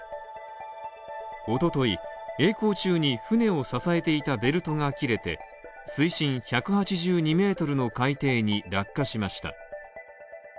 おととい、えい航中に船を支えていたベルトが切れて、水深１８２ｍの海底に落下しました。